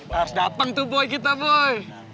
harus dateng tuh boy kita boy